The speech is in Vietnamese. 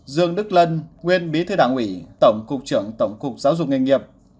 dương đức lân nguyên bí thư đảng ủy tổng cục trưởng tổng cục giáo dục nghề nghiệp